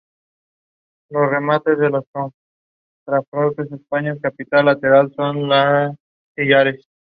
Habita principalmente ríos de aguas claras o "negras" de la cuenca del Orinoco.